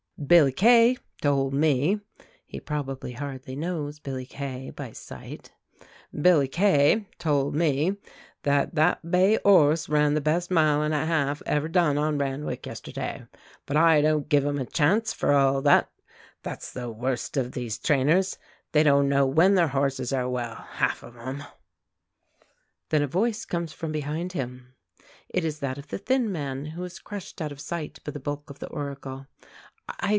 "Billy K told me" (he probably hardly knows Billy K by sight) "Billy K told me that that bay 'orse ran the best mile an' a half ever done on Randwick yesterday; but I don't give him a chance, for all that; that's the worst of these trainers. They don't know when their horses are well half of 'em." Then a voice comes from behind him. It is that of the thin man, who is crushed out of sight by the bulk of the Oracle.